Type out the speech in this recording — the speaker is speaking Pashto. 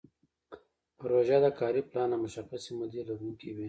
پروژه د کاري پلان او مشخصې مودې لرونکې وي.